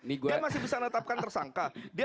dia masih bisa menetapkan tersangka dia